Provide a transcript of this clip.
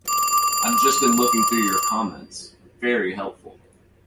I've just been looking through your comments; very helpful.